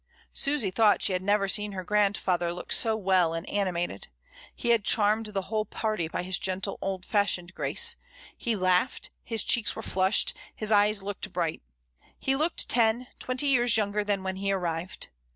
Susy thought she had never seen her grand father look so well and animated. He had charmed the whole party by his gentle, old fashioned grace; he laughed, his cheeks were flushed, his eyes looked bright. He looked ten — twenty years younger than when he arrived.